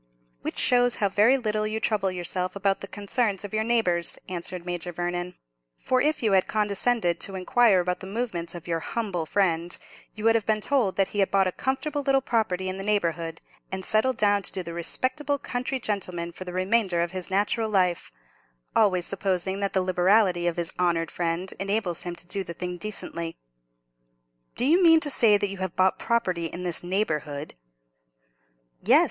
"Which shows how very little you trouble yourself about the concerns of your neighbours," answered Major Vernon, "for if you had condescended to inquire about the movements of your humble friend, you would have been told that he had bought a comfortable little property in the neighbourhood, and settled down to do the respectable country gentleman for the remainder of his natural life—always supposing that the liberality of his honoured friend enables him to do the thing decently." "Do you mean to say that you have bought property in this neighbourhood?" "Yes!